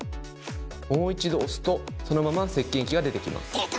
もう一度押すとそのまませっけん液が出てきます。